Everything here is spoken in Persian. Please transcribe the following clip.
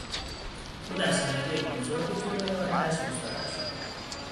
او در صندلی بزرگ جلو آتش مستقر شد.